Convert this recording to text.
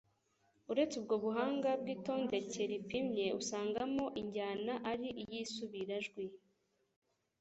Uretse ubwo buhanga bw'itondeke ripimye, usangamo injyana, ari iy'isubirajwi,